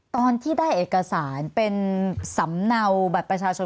ตอนที่ได้เอกสารเป็นสำเนาบัตรประชาชน